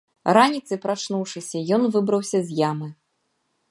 Раніцай, прачнуўшыся, ён выбраўся з ямы.